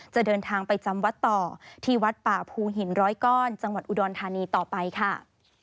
เดินทางไปจำวัดต่อที่วัดป่าภูหินร้อยก้อนจังหวัดอุดรธานีต่อไปค่ะ